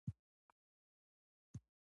د دارچینی غوړي د څه لپاره وکاروم؟